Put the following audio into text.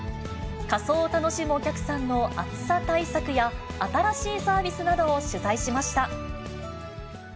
仮装を楽しむお客さんの暑さ対策や、新しいサービスなどを取材しました。